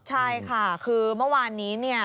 ใช่ค่ะคือเมื่อวานนี้